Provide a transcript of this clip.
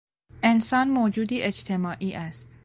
انسان موجودی اجتماعی است.